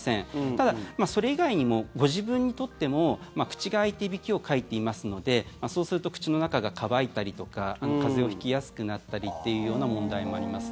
ただ、それ以外にもご自分にとっても口が開いていびきをかいていますのでそうすると口の中が乾いたりとか風邪を引きやすくなったりっていうような問題もあります。